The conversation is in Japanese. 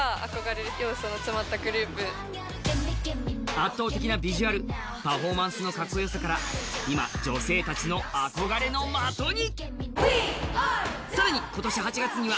圧倒的なビジュアル、パフォーマンスのかっこよさから今、女性たちの憧れの的に。